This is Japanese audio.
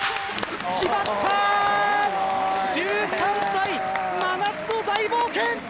１３歳真夏の大冒険！